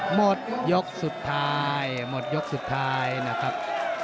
หมดยกสุดท้ายหมดยกสุดท้ายนะครับ